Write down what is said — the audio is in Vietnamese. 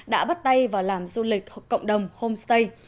đã bắt tay vào làm du lịch cộng đồng homestay